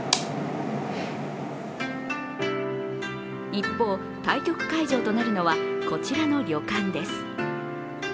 一方、対局会場となるのはこちらの旅館です。